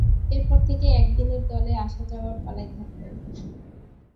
এরপর থেকেই একদিনের দলে আসা-যাওয়ার পালায় থাকতেন।